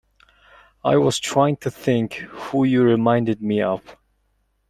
I was trying to think who you reminded me of.